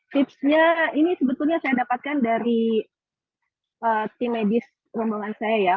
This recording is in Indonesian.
tipsnya ini sebetulnya saya dapatkan dari tim medis rombongan saya ya